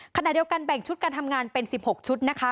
ขณะเดียวกันแบ่งชุดการทำงานเป็น๑๖ชุดนะคะ